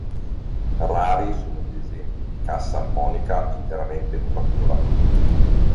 Rari sono gli esempi di Cassa Armonica interamente in muratura.